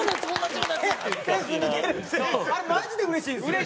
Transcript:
あれマジでうれしいんですよ。